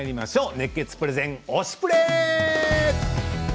熱血プレゼン「推しプレ！」。